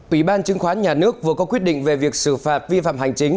ủy ban chứng khoán nhà nước vừa có quyết định về việc xử phạt vi phạm hành chính